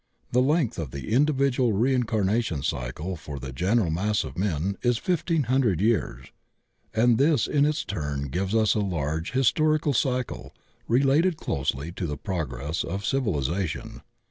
The length of the individual reincarnation cycle for the general mass of men is fifteen hundred years, and this in its turn gives us a large historical cycle related closely to the progress of civilization.